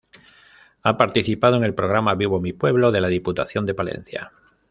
Ha participado en el programa Vivo Mi Pueblo de la Diputación de Palencia.